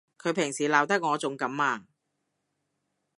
佢平時鬧得我仲甘啊！